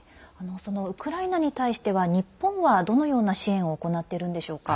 ウクライナに対しては日本は、どのような支援を行っているんでしょうか。